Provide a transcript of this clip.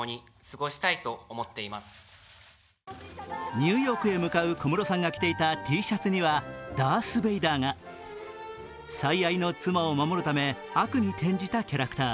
ニューヨークへと向かう小室さんが着ていたＴシャツにはダース・ベイダー最愛の妻を守るため、悪に転じたキャラクター。